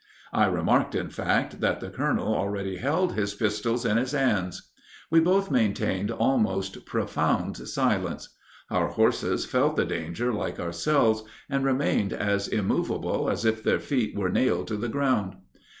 '" "I remarked, in fact, that the colonel already held his pistols in his hands. We both maintained almost profound silence. Our horses felt the danger like ourselves, and remained as immovable as if their feet were nailed to the ground.